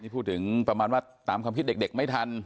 พูดถึงประมาณว่าตามความคิดเด็กไม่ทัน